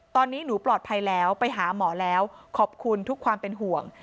ตอนนี้หนูปลอดภัยแล้วไปหาหมอแล้วขอบคุณทุกความเป็นห่วง